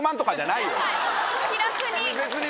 気楽に。